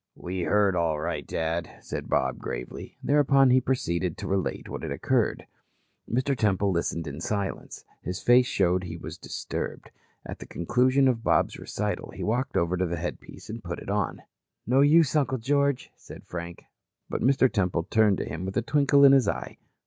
"We heard all right, Dad," said Bob gravely. Thereupon he proceeded to relate what had occurred. Mr. Temple listened in silence. His face showed he was disturbed. At the conclusion of Bob's recital, he walked over to a headpiece and put it on. "No use, Uncle George," said Frank, but Mr. Temple turned to him with a twinkle in his eye.